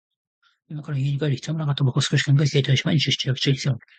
今から家に帰る必要もなかった。僕は少し考え、携帯をしまい、住宅地に背を向ける。